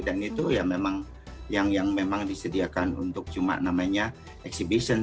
dan itu yang memang disediakan untuk cuma namanya exhibition